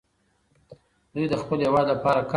دوی د خپل هېواد لپاره کار کوي.